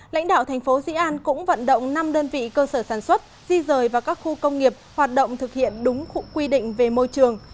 lãnh đạo thành phố dĩ an cũng vận động năm đơn vị cơ sở sản xuất di rời vào các khu công nghiệp hoạt động thực hiện đúng khu quy định về môi trường